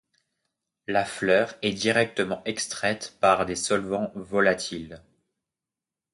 La fleur est directement extraite par des solvants volatils.